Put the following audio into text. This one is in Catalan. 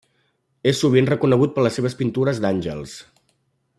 És sovint reconegut per les seves pintures d'àngels.